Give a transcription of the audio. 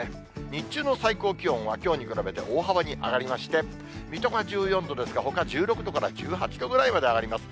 日中の最高気温はきょうに比べて大幅に上がりまして、水戸が１４度ですが、ほか、１６度から１８度ぐらいまで上がります。